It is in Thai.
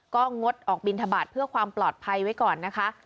ก็งดออกบินทบาทเพื่อความปลอดภัยไว้ก่อนนะคะ